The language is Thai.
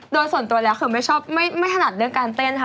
โดยส่วนตัวแล้วคือไม่ชอบไม่ถนัดเรื่องการเต้นค่ะ